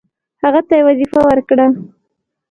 هغه ته یې وظیفه ورکړه.